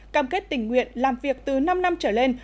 cam kết tình nguyện làm việc từ năm năm trở lên